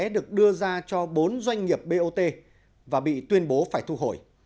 được đưa ra cho bốn doanh nghiệp bot và bị tuyên bố phải thu hồi